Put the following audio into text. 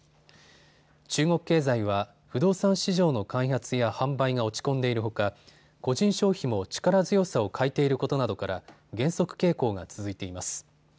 中国経済は不動産市場の開発や販売が落ち込んでいるほか個人消費も力強さを欠いていることなどから減速傾向が続いています。